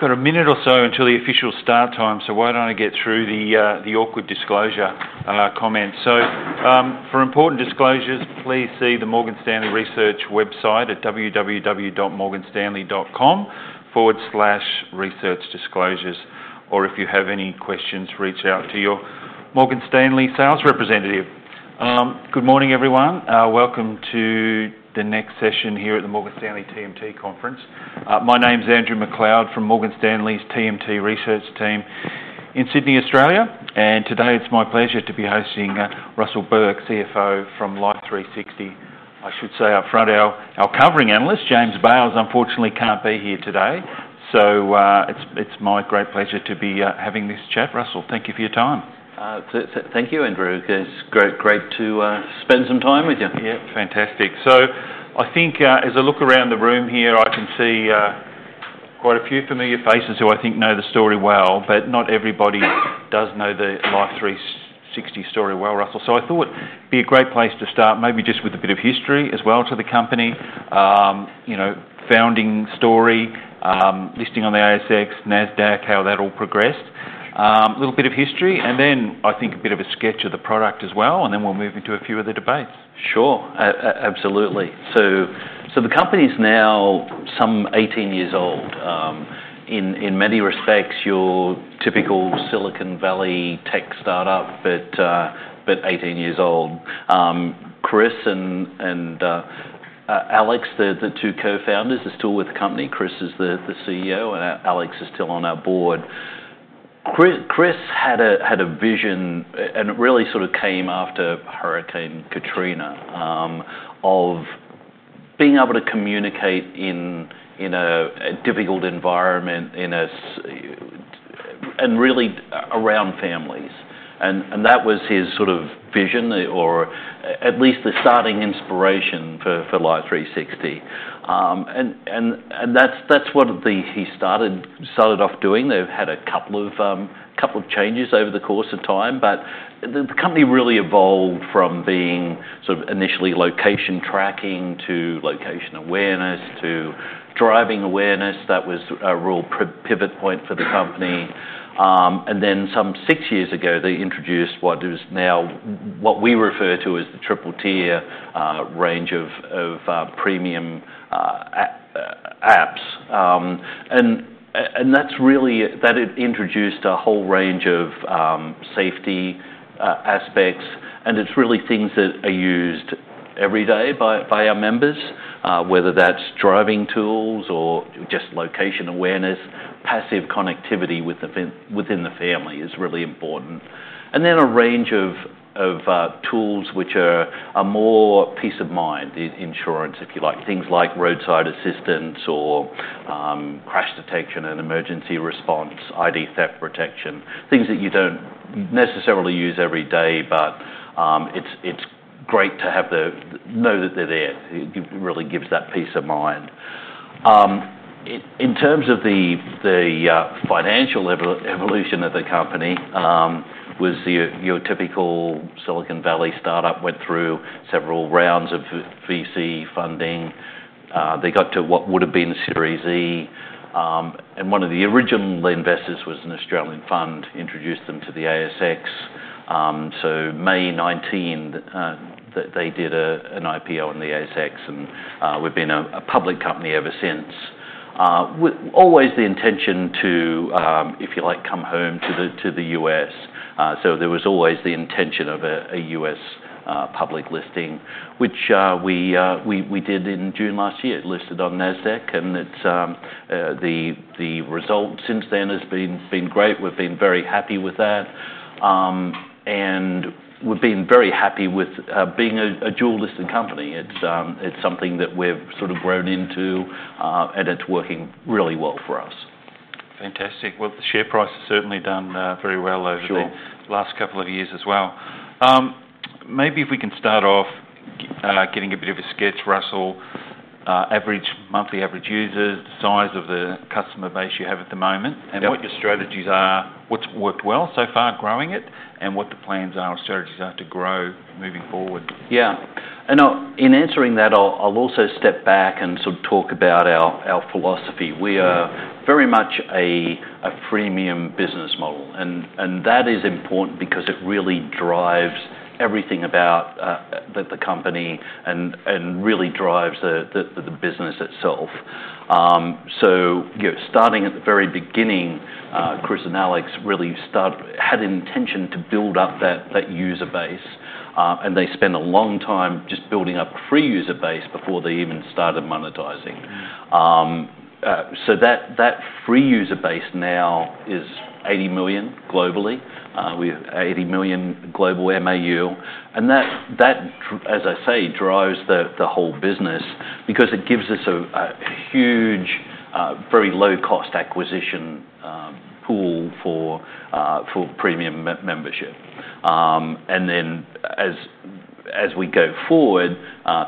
We've got a minute or so until the official start time, so why don't I get through the awkward disclosure comments. So, for important disclosures, please see the Morgan Stanley Research website at www.morganstanley.com/researchdisclosures. Or if you have any questions, reach out to your Morgan Stanley sales representative. Good morning, everyone. Welcome to the next session here at the Morgan Stanley TMT Conference. My name's Andrew McLeod from Morgan Stanley's TMT research team in Sydney, Australia. And today it's my pleasure to be hosting Russell Burke, CFO from Life360. I should say upfront, our covering analyst, James Bales, unfortunately can't be here today. So it's my great pleasure to be having this chat. Russell, thank you for your time. Thank you, Andrew. It's great to spend some time with you. Yeah, fantastic. So I think as I look around the room here, I can see quite a few familiar faces who I think know the story well. But not everybody does know the Life360 story well, Russell. So I thought it'd be a great place to start, maybe just with a bit of history as well to the company. Founding story, listing on the ASX, Nasdaq, how that all progressed. A little bit of history. And then I think a bit of a sketch of the product as well. And then we'll move into a few of the debates. Sure. Absolutely. So the company's now some 18 years old. In many respects, your typical Silicon Valley tech startup, but 18 years old. Chris and Alex, the two co-founders, are still with the company. Chris is the CEO, and Alex is still on our board. Chris had a vision, and it really sort of came after Hurricane Katrina, of being able to communicate in a difficult environment and really around families. And that was his sort of vision, or at least the starting inspiration for Life360. And that's what he started off doing. They've had a couple of changes over the course of time. But the company really evolved from being sort of initially location tracking to location awareness to driving awareness. That was a real pivot point for the company. And then some six years ago, they introduced what is now what we refer to as the triple-tier range of premium apps. And that's really that introduced a whole range of safety aspects. And it's really things that are used every day by our members. Whether that's driving tools or just location awareness, passive connectivity within the family is really important. And then a range of tools which are more peace of mind, insurance, if you like. Things like Roadside Assistance or Crash Detection and emergency response, ID Theft Protection. Things that you don't necessarily use every day, but it's great to know that they're there. It really gives that peace of mind. In terms of the financial evolution of the company, it was your typical Silicon Valley startup. Went through several rounds of VC funding. They got to what would have been Series E. One of the original investors was an Australian fund. It introduced them to the ASX. In May 2019, they did an IPO on the ASX. We have been a public company ever since. There was always the intention to, if you like, come home to the U.S. There was always the intention of a U.S. public listing, which we did in June last year. We listed on Nasdaq. The result since then has been great. We have been very happy with that. We have been very happy with being a dual-listed company. It is something that we have sort of grown into. It is working really well for us. Fantastic. Well, the share price has certainly done very well over the last couple of years as well. Maybe if we can start off getting a bit of a sketch, Russell. Average monthly average users, the size of the customer base you have at the moment, and what your strategies are. What's worked well so far growing it, and what the plans are or strategies are to grow moving forward. Yeah, and in answering that, I'll also step back and sort of talk about our philosophy. We are very much a freemium business model, and that is important because it really drives everything about the company and really drives the business itself. So starting at the very beginning, Chris and Alex really had an intention to build up that user base, and they spent a long time just building up a free user base before they even started monetizing, so that free user base now is 80 million globally. We have 80 million global MAU, and that, as I say, drives the whole business because it gives us a huge, very low-cost acquisition pool for premium membership, and then as we go forward,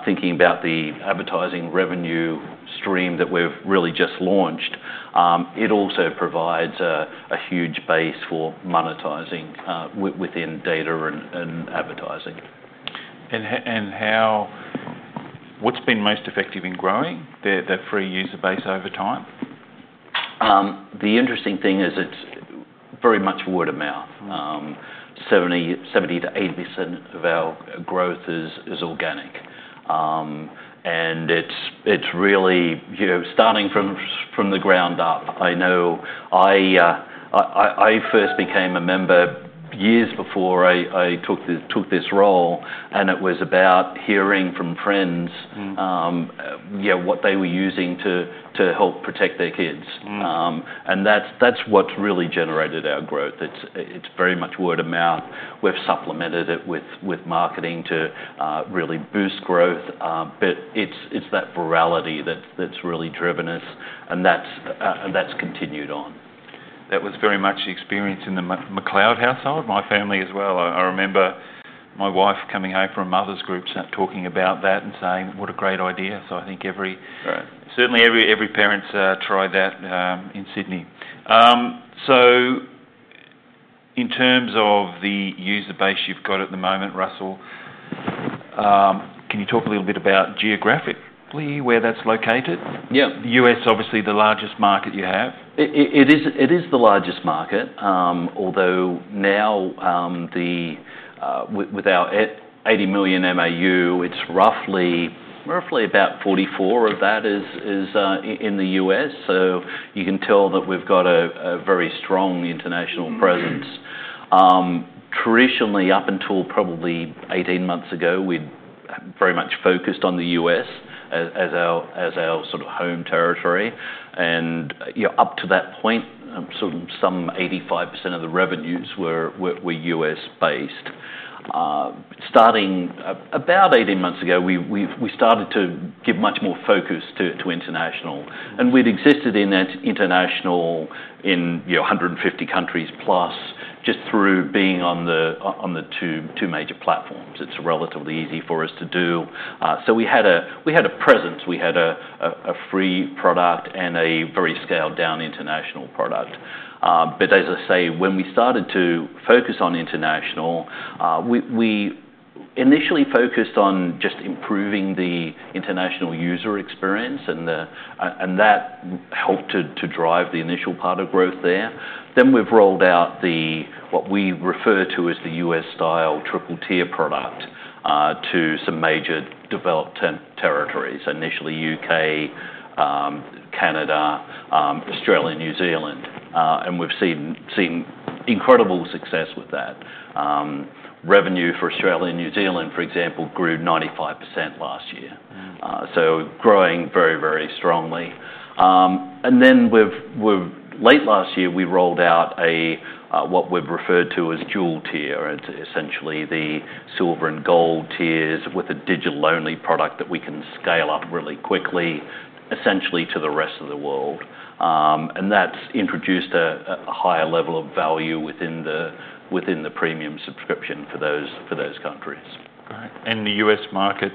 thinking about the advertising revenue stream that we've really just launched, it also provides a huge base for monetizing within data and advertising. What's been most effective in growing that free user base over time? The interesting thing is it's very much word of mouth. 70%-80% of our growth is organic. And it's really starting from the ground up. I know I first became a member years before I took this role. And it was about hearing from friends what they were using to help protect their kids. And that's what's really generated our growth. It's very much word of mouth. We've supplemented it with marketing to really boost growth. But it's that virality that's really driven us. And that's continued on. That was very much the experience in the McLeod household. My family as well. I remember my wife coming over from mothers' group talking about that and saying, "What a great idea." So I think certainly every parent tried that in Sydney. So in terms of the user base you've got at the moment, Russell, can you talk a little bit about geographically where that's located? Yeah. The U.S., obviously the largest market you have. It is the largest market. Although now, with our 80 million MAU, it's roughly about 44% of that is in the U.S. So you can tell that we've got a very strong international presence. Traditionally, up until probably 18 months ago, we'd very much focused on the U.S. as our sort of home territory, and up to that point, some 85% of the revenues were U.S.-based. Starting about 18 months ago, we started to give much more focus to international, and we'd existed in international in 150 countries plus just through being on the two major platforms. It's relatively easy for us to do. So we had a presence. We had a free product and a very scaled-down international product, but as I say, when we started to focus on international, we initially focused on just improving the international user experience. And that helped to drive the initial part of growth there. Then we've rolled out what we refer to as the U.S.-style triple-tier product to some major developed territories. Initially, U.K., Canada, Australia, New Zealand. And we've seen incredible success with that. Revenue for Australia and New Zealand, for example, grew 95% last year. So growing very, very strongly. And then late last year, we rolled out what we've referred to as dual-tier. It's essentially the Silver and Gold tiers with a digital-only product that we can scale up really quickly, essentially to the rest of the world. And that's introduced a higher level of value within the premium subscription for those countries. Right. And the U.S. market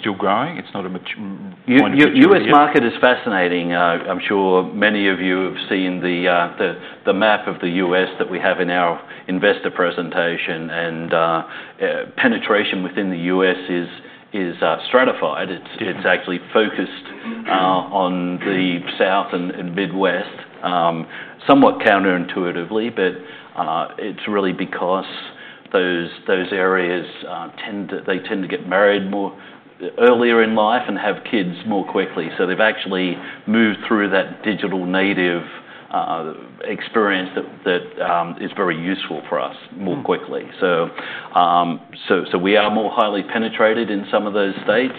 still growing? It's not a point of view change. U.S. market is fascinating. I'm sure many of you have seen the map of the U.S. that we have in our investor presentation. And penetration within the U.S. is stratified. It's actually focused on the South and Midwest, somewhat counterintuitively. But it's really because those areas, they tend to get married earlier in life and have kids more quickly. So they've actually moved through that digital native experience that is very useful for us more quickly. So we are more highly penetrated in some of those states,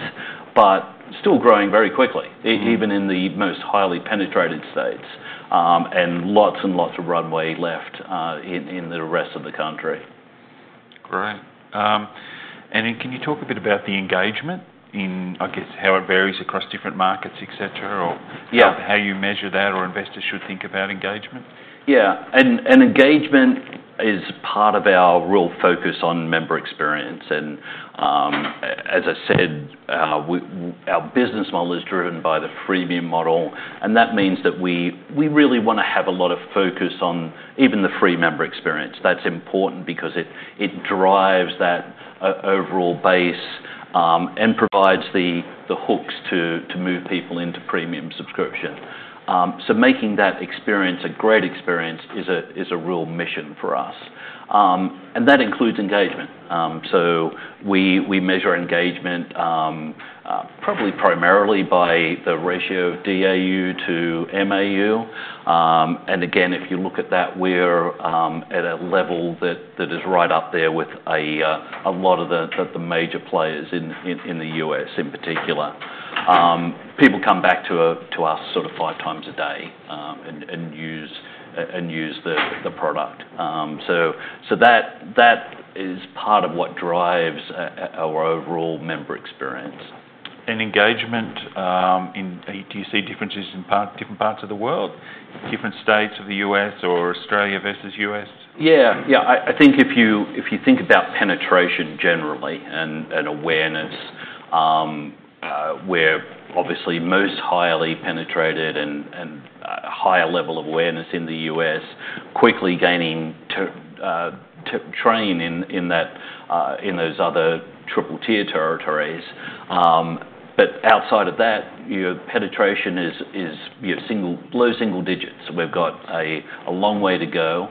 but still growing very quickly, even in the most highly penetrated states. And lots and lots of runway left in the rest of the country. Great, and then can you talk a bit about the engagement in, I guess, how it varies across different markets, et cetera, or how you measure that or investors should think about engagement? Yeah. And engagement is part of our real focus on member experience. And as I said, our business model is driven by the freemium model. And that means that we really want to have a lot of focus on even the free member experience. That's important because it drives that overall base and provides the hooks to move people into premium subscription. So making that experience a great experience is a real mission for us. And that includes engagement. So we measure engagement probably primarily by the ratio of DAU to MAU. And again, if you look at that, we're at a level that is right up there with a lot of the major players in the U.S. in particular. People come back to us sort of five times a day and use the product. So that is part of what drives our overall member experience. Engagement, do you see differences in different parts of the world? Different states of the U.S. or Australia versus U.S.? Yeah. Yeah. I think if you think about penetration generally and awareness, we're obviously most highly penetrated and higher level of awareness in the U.S., quickly gaining to train in those other triple-tier territories. But outside of that, penetration is low single digits. We've got a long way to go.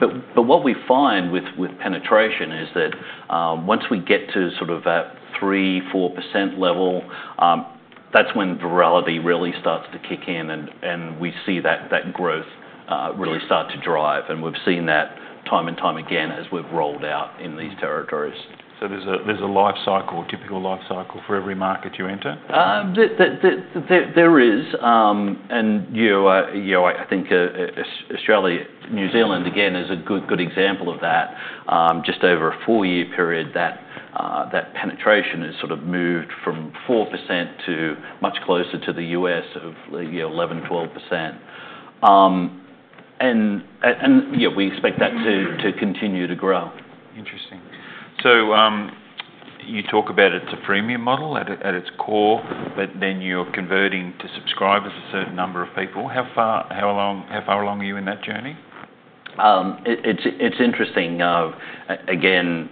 But what we find with penetration is that once we get to sort of that 3%, 4% level, that's when virality really starts to kick in. And we see that growth really start to drive. And we've seen that time and time again as we've rolled out in these territories. So there's a typical life cycle for every market you enter? There is. And I think Australia, New Zealand, again, is a good example of that. Just over a four-year period, that penetration has sort of moved from 4% to much closer to the U.S. of 11%-12%. And we expect that to continue to grow. Interesting. So you talk about it's a premium model at its core, but then you're converting to subscribers, a certain number of people. How far along are you in that journey? It's interesting. Again,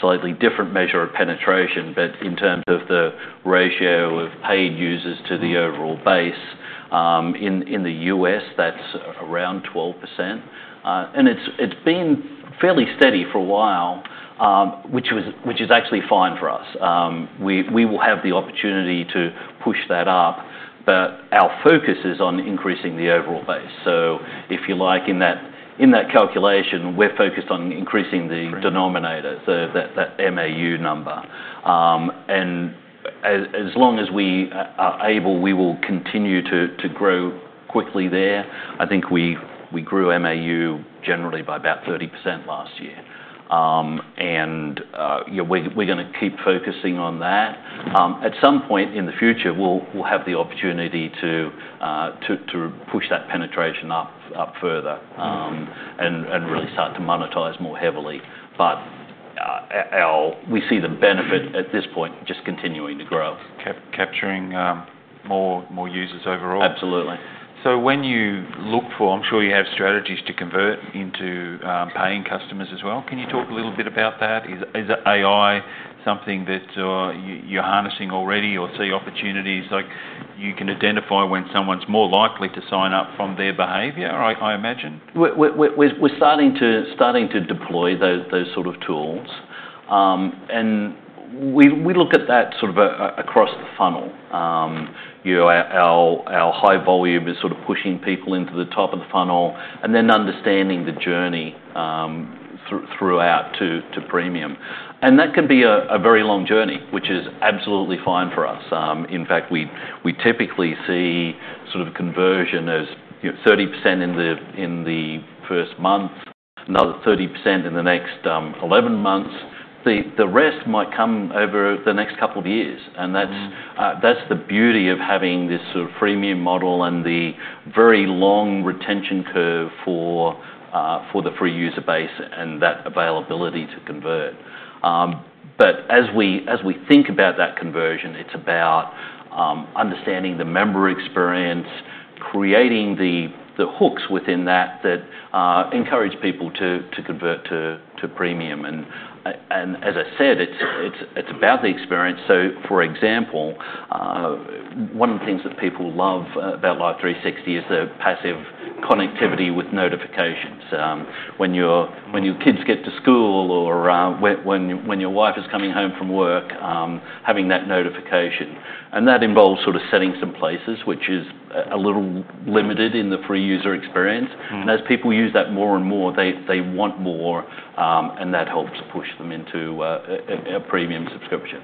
slightly different measure of penetration, but in terms of the ratio of paid users to the overall base, in the U.S., that's around 12%, and it's been fairly steady for a while, which is actually fine for us. We will have the opportunity to push that up, but our focus is on increasing the overall base. So if you like, in that calculation, we're focused on increasing the denominator, so that MAU number, and as long as we are able, we will continue to grow quickly there. I think we grew MAU generally by about 30% last year, and we're going to keep focusing on that. At some point in the future, we'll have the opportunity to push that penetration up further and really start to monetize more heavily, but we see the benefit at this point just continuing to grow. Capturing more users overall. Absolutely. So, when you look for, I'm sure you have strategies to convert into paying customers as well. Can you talk a little bit about that? Is AI something that you're harnessing already or see opportunities? You can identify when someone's more likely to sign up from their behavior, I imagine. We're starting to deploy those sort of tools. And we look at that sort of across the funnel. Our high volume is sort of pushing people into the top of the funnel and then understanding the journey throughout to premium. And that can be a very long journey, which is absolutely fine for us. In fact, we typically see sort of conversion as 30% in the first month, another 30% in the next 11 months. The rest might come over the next couple of years. And that's the beauty of having this sort of freemium model and the very long retention curve for the free user base and that availability to convert. But as we think about that conversion, it's about understanding the member experience, creating the hooks within that that encourage people to convert to premium. And as I said, it's about the experience. So for example, one of the things that people love about Life360 is the passive connectivity with notifications. When your kids get to school or when your wife is coming home from work, having that notification. And that involves sort of setting some places, which is a little limited in the free user experience. And as people use that more and more, they want more. And that helps push them into a premium subscription.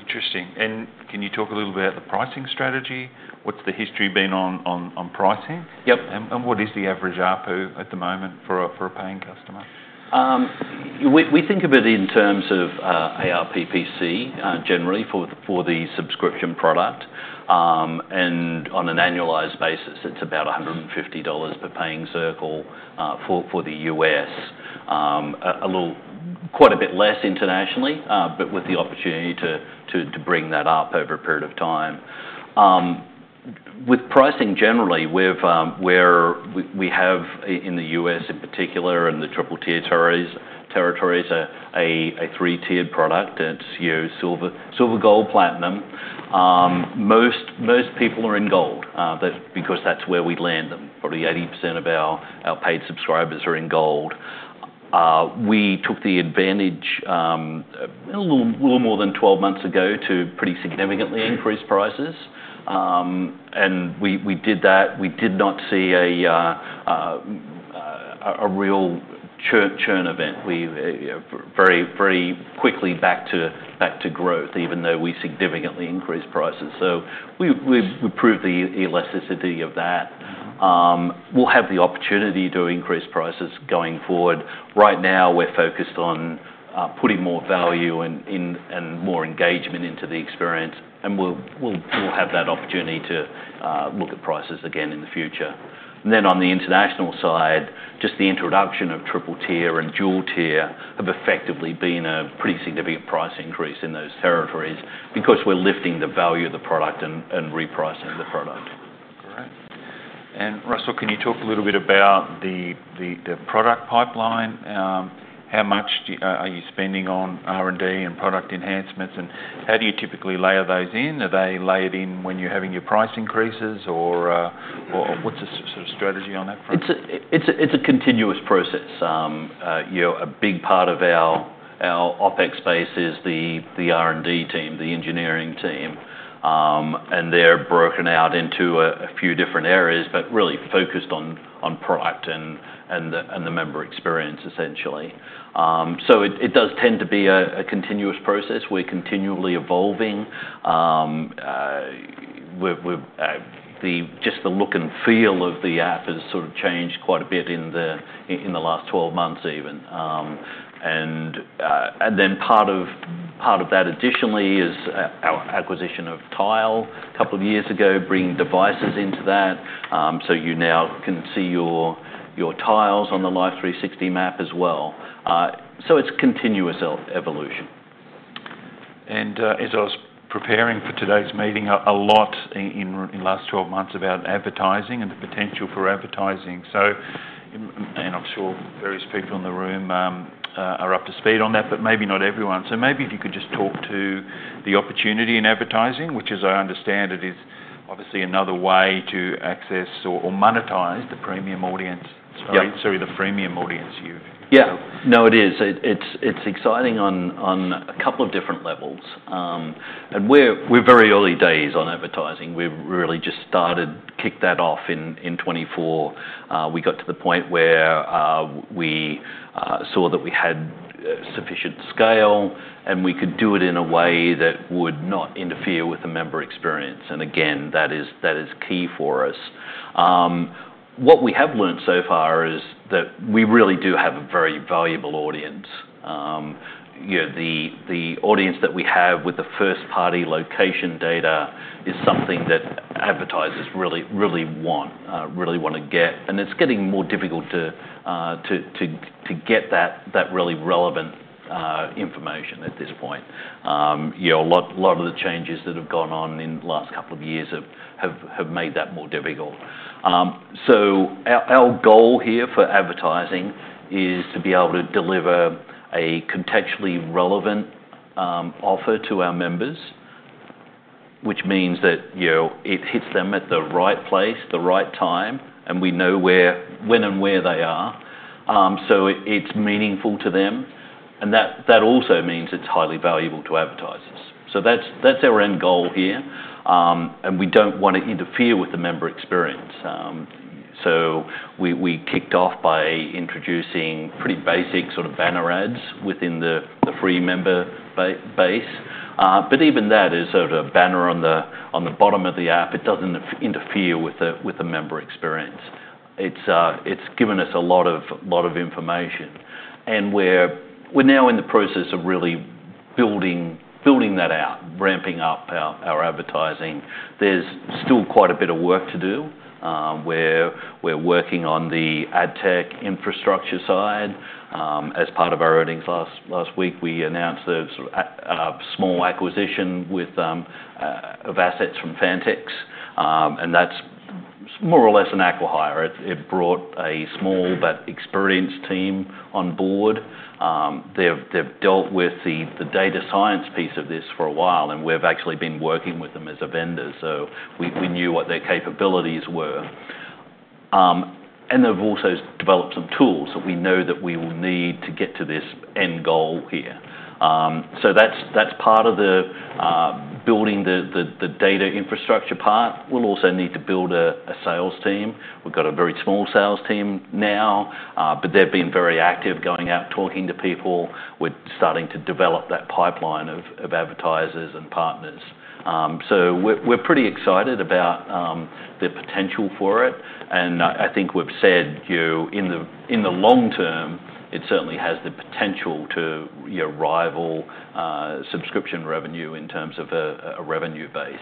Interesting. And can you talk a little bit about the pricing strategy? What's the history been on pricing? Yep. What is the average at the moment for a paying customer? We think of it in terms of ARPPC generally for the subscription product. And on an annualized basis, it's about $150 per paying circle for the U.S. Quite a bit less internationally, but with the opportunity to bring that up over a period of time. With pricing generally, we have in the U.S. in particular and the triple-tier territories a three-tiered product. It's Silver, Gold, Platinum. Most people are in Gold because that's where we land them. Probably 80% of our paid subscribers are in Gold. We took the advantage a little more than 12 months ago to pretty significantly increase prices. And we did that. We did not see a real churn event. We very quickly back to growth, even though we significantly increased prices. So we proved the elasticity of that. We'll have the opportunity to increase prices going forward. Right now, we're focused on putting more value and more engagement into the experience. And we'll have that opportunity to look at prices again in the future. And then on the international side, just the introduction of triple-tier and dual-tier have effectively been a pretty significant price increase in those territories because we're lifting the value of the product and repricing the product. Great. And Russell, can you talk a little bit about the product pipeline? How much are you spending on R&D and product enhancements? And how do you typically layer those in? Are they layered in when you're having your price increases? Or what's the sort of strategy on that front? It's a continuous process. A big part of our OpEx space is the R&D team, the engineering team. And they're broken out into a few different areas, but really focused on product and the member experience, essentially. So it does tend to be a continuous process. We're continually evolving. Just the look and feel of the app has sort of changed quite a bit in the last 12 months even. And then part of that additionally is our acquisition of Tile a couple of years ago, bringing devices into that. So you now can see your tiles on the Life360 map as well. So it's continuous evolution. And as I was preparing for today's meeting, a lot in the last 12 months about advertising and the potential for advertising. And I'm sure various people in the room are up to speed on that, but maybe not everyone. So maybe if you could just talk to the opportunity in advertising, which, as I understand, it is obviously another way to access or monetize the premium audience. Sorry, the freemium audience you've. Yeah. No, it is. It's exciting on a couple of different levels. And we're very early days on advertising. We really just started to kick that off in 2024. We got to the point where we saw that we had sufficient scale and we could do it in a way that would not interfere with the member experience. And again, that is key for us. What we have learned so far is that we really do have a very valuable audience. The audience that we have with the first-party location data is something that advertisers really want, really want to get. And it's getting more difficult to get that really relevant information at this point. A lot of the changes that have gone on in the last couple of years have made that more difficult. So our goal here for advertising is to be able to deliver a contextually relevant offer to our members, which means that it hits them at the right place, the right time, and we know when and where they are. So it's meaningful to them. And that also means it's highly valuable to advertisers. So that's our end goal here. And we don't want to interfere with the member experience. So we kicked off by introducing pretty basic sort of banner ads within the free member base. But even that is sort of a banner on the bottom of the app. It doesn't interfere with the member experience. It's given us a lot of information. And we're now in the process of really building that out, ramping up our advertising. There's still quite a bit of work to do. We're working on the ad tech infrastructure side. VAs part of our earnings last week, we announced a small acquisition of assets from Jantriks, and that's more or less an acqui-hire. It brought a small but experienced team on board. They've dealt with the data science piece of this for a while, and we've actually been working with them as a vendor, so we knew what their capabilities were, and they've also developed some tools that we know that we will need to get to this end goal here, so that's part of building the data infrastructure part. We'll also need to build a sales team. We've got a very small sales team now, but they've been very active going out, talking to people. We're starting to develop that pipeline of advertisers and partners, so we're pretty excited about the potential for it. And I think we've said in the long term, it certainly has the potential to rival subscription revenue in terms of a revenue base.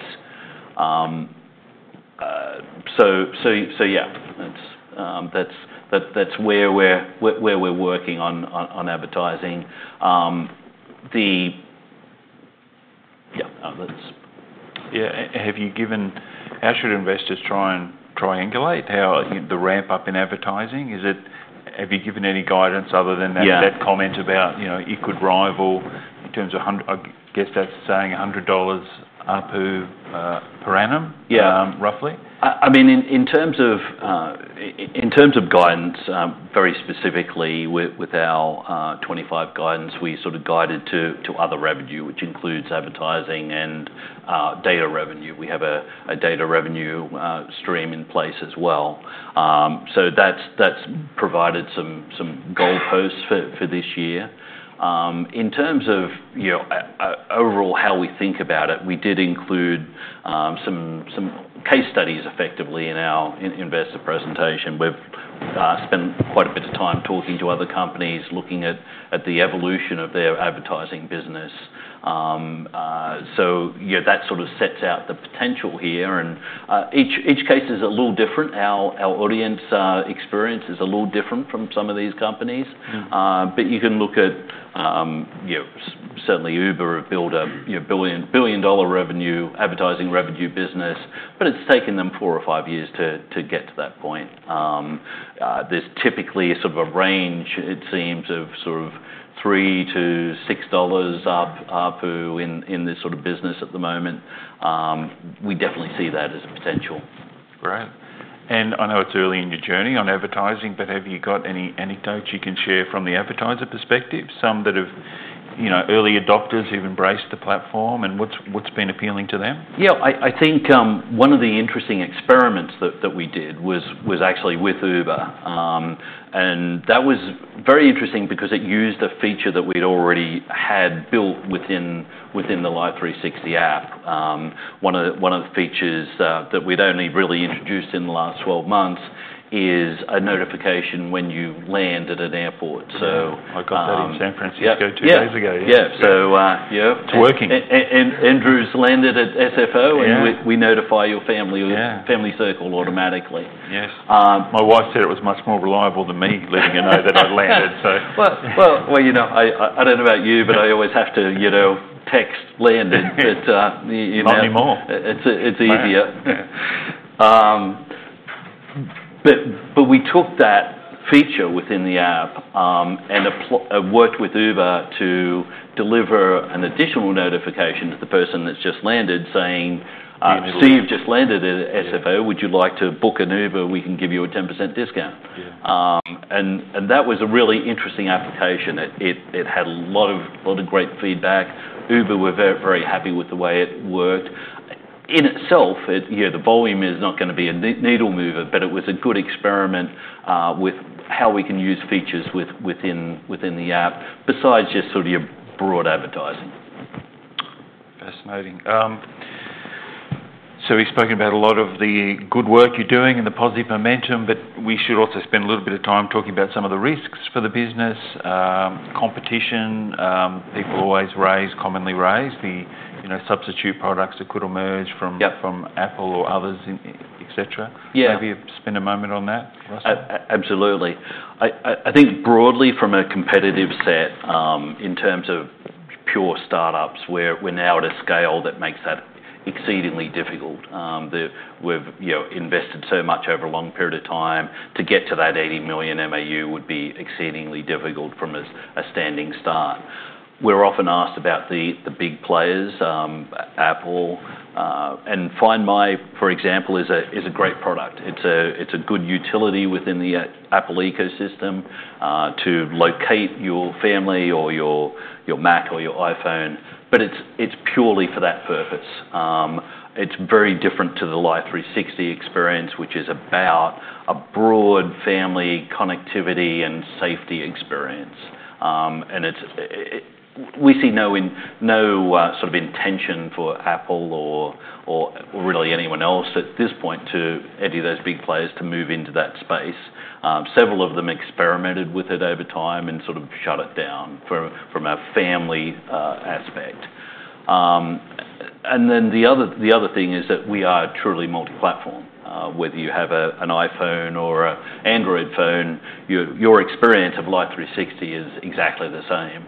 So yeah, that's where we're working on advertising. Yeah. Yeah. Have you given how should investors try and triangulate the ramp-up in advertising? Have you given any guidance other than that comment about it could rival in terms of, I guess that's saying $100 ARPU per annum, roughly? Yeah. I mean, in terms of guidance, very specifically with our 2025 guidance, we sort of guided to other revenue, which includes advertising and data revenue. We have a data revenue stream in place as well. So that's provided some goal posts for this year. In terms of overall how we think about it, we did include some case studies effectively in our investor presentation. We've spent quite a bit of time talking to other companies, looking at the evolution of their advertising business. So that sort of sets out the potential here. And each case is a little different. Our audience experience is a little different from some of these companies. But you can look at certainly Uber, a $1 billion advertising revenue business, but it's taken them four or five years to get to that point. There's typically sort of a range, it seems, of sort of $3-$6 ARPU in this sort of business at the moment. We definitely see that as a potential. Great. And I know it's early in your journey on advertising, but have you got any anecdotes you can share from the advertiser perspective? Some that have early adopters who've embraced the platform and what's been appealing to them? Yeah. I think one of the interesting experiments that we did was actually with Uber. And that was very interesting because it used a feature that we'd already had built within the Life360 app. One of the features that we'd only really introduced in the last 12 months is a notification when you land at an airport. So. I got that in San Francisco two days ago. Yeah. So yeah. It's working. Andrew's landed at SFO, and we notify your family circle automatically. Yes. My wife said it was much more reliable than me letting her know that I landed, so. I don't know about you, but I always have to text "landed". Not anymore. It's easier. But we took that feature within the app and worked with Uber to deliver an additional notification to the person that's just landed saying, "Steve, just landed at SFO. Would you like to book an Uber? We can give you a 10% discount." And that was a really interesting application. It had a lot of great feedback. Uber were very, very happy with the way it worked. In itself, the volume is not going to be a needle mover, but it was a good experiment with how we can use features within the app besides just sort of your broad advertising. Fascinating. So we've spoken about a lot of the good work you're doing and the positive momentum, but we should also spend a little bit of time talking about some of the risks for the business, competition, people always raise, commonly raise, the substitute products that could emerge from Apple or others, etc. Maybe spend a moment on that? Absolutely. I think broadly from a competitive set in terms of pure startups, we're now at a scale that makes that exceedingly difficult. We've invested so much over a long period of time to get to that 80 million MAU would be exceedingly difficult from a standing start. We're often asked about the big players, Apple. And Find My, for example, is a great product. It's a good utility within the Apple ecosystem to locate your family or your Mac or your iPhone, but it's purely for that purpose. It's very different to the Life360 experience, which is about a broad family connectivity and safety experience. And we see no sort of intention for Apple or really anyone else at this point to any of those big players to move into that space. Several of them experimented with it over time and sort of shut it down from a family aspect. And then the other thing is that we are truly multi-platform. Whether you have an iPhone or an Android phone, your experience of Life360 is exactly the same.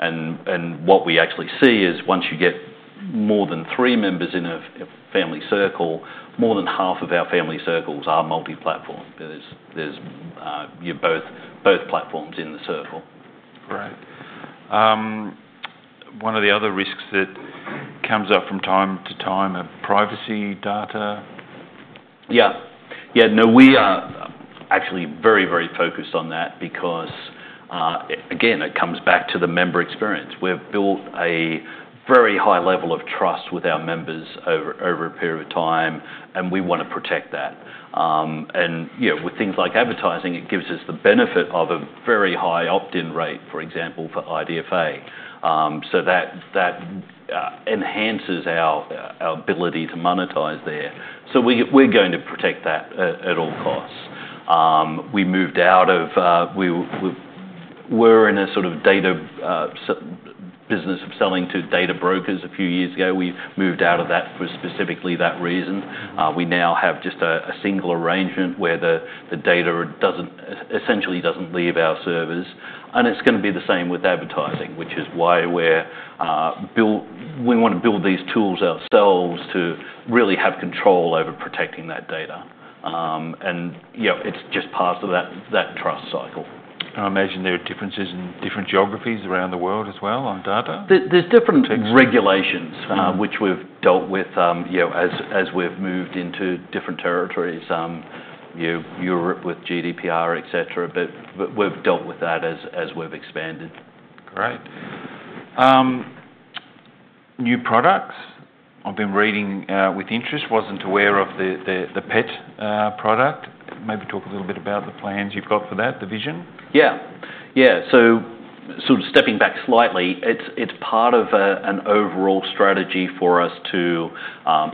And what we actually see is once you get more than three members in a family circle, more than half of our family circles are multi-platform. There's both platforms in the circle. Great. One of the other risks that comes up from time to time or privacy data? Yeah. Yeah. No, we are actually very, very focused on that because, again, it comes back to the member experience. We've built a very high level of trust with our members over a period of time, and we want to protect that. And with things like advertising, it gives us the benefit of a very high opt-in rate, for example, for IDFA. So that enhances our ability to monetize there. So we're going to protect that at all costs. We moved out of a sort of data business of selling to data brokers a few years ago. We moved out of that for specifically that reason. We now have just a single arrangement where the data essentially doesn't leave our servers. And it's going to be the same with advertising, which is why we want to build these tools ourselves to really have control over protecting that data. And it's just part of that trust cycle. I imagine there are differences in different geographies around the world as well on data? There's different regulations, which we've dealt with as we've moved into different territories. Europe with GDPR, etc., but we've dealt with that as we've expanded. Great. New products. I've been reading with interest. Wasn't aware of the pet product. Maybe talk a little bit about the plans you've got for that, the vision. Yeah. Yeah. So sort of stepping back slightly, it's part of an overall strategy for us to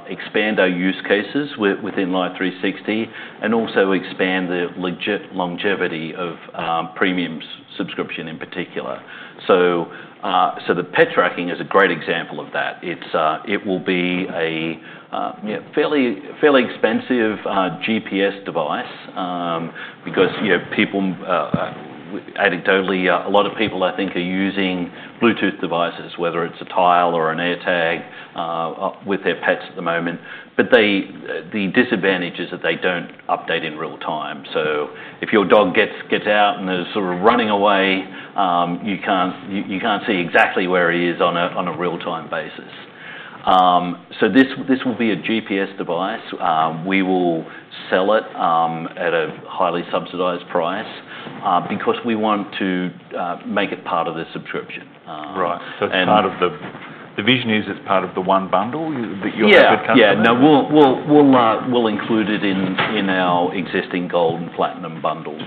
expand our use cases within Life360 and also expand the longevity of premium subscription in particular. So the pet tracking is a great example of that. It will be a fairly expensive GPS device because people, anecdotally, a lot of people, I think, are using Bluetooth devices, whether it's a Tile or an AirTag with their pets at the moment. But the disadvantage is that they don't update in real time. So if your dog gets out and is sort of running away, you can't see exactly where he is on a real-time basis. So this will be a GPS device. We will sell it at a highly subsidized price because we want to make it part of the subscription. Right. So it's part of the vision. Is it part of the one bundle that you're a good customer of? Yeah. No, we'll include it in our existing Gold and Platinum bundles.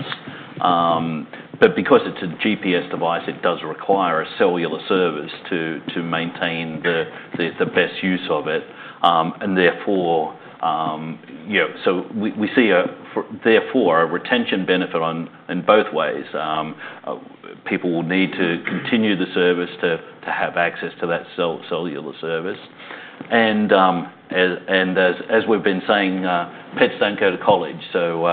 But because it's a GPS device, it does require a cellular service to maintain the best use of it. And therefore, so we see a retention benefit in both ways. People will need to continue the service to have access to that cellular service. And as we've been saying, pets don't go to college, so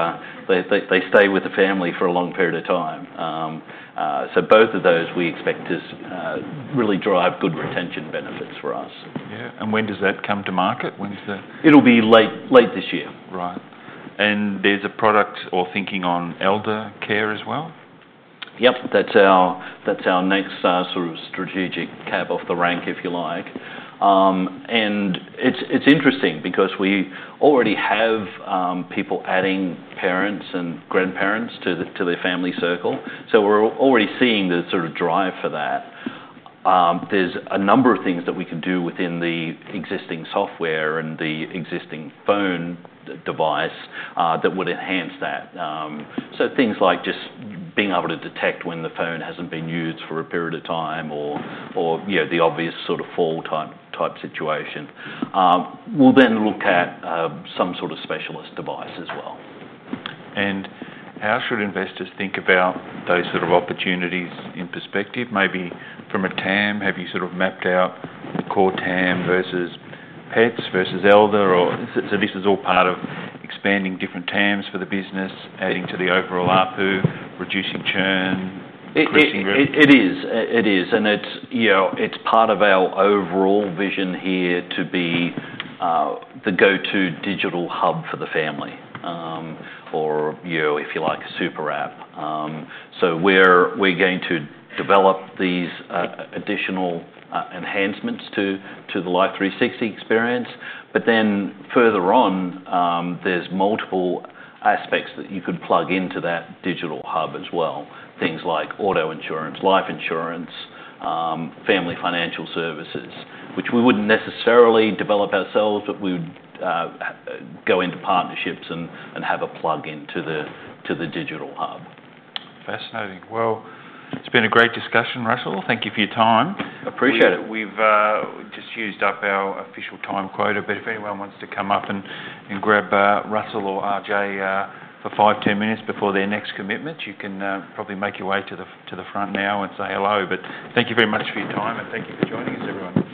they stay with the family for a long period of time. So both of those we expect to really drive good retention benefits for us. Yeah. And when does that come to market? When's the? It'll be late this year. Right, and there's a product or thinking on elder care as well? Yep. That's our next sort of strategic cab off the rank, if you like, and it's interesting because we already have people adding parents and grandparents to their family circle, so we're already seeing the sort of drive for that. There's a number of things that we can do within the existing software and the existing phone device that would enhance that, so things like just being able to detect when the phone hasn't been used for a period of time or the obvious sort of fall type situation. We'll then look at some sort of specialist device as well. How should investors think about those sort of opportunities in perspective? Maybe from a TAM, have you sort of mapped out core TAM versus pets versus elder? This is all part of expanding different TAMs for the business, adding to the overall ARPU, reducing churn, increasing revenue. It is. It is. And it's part of our overall vision here to be the go-to digital hub for the family or, if you like, a super app. So we're going to develop these additional enhancements to the Life360 experience. But then further on, there's multiple aspects that you could plug into that digital hub as well. Things like auto insurance, life insurance, family financial services, which we wouldn't necessarily develop ourselves, but we would go into partnerships and have a plug into the digital hub. Fascinating. Well, it's been a great discussion, Russell. Thank you for your time. Appreciate it. We've just used up our official time quota, but if anyone wants to come up and grab Russell or RJ for five, 10 minutes before their next commitment, you can probably make your way to the front now and say hello, but thank you very much for your time and thank you for joining us, everyone.